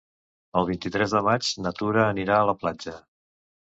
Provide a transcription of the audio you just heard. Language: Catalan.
El vint-i-tres de maig na Tura anirà a la platja.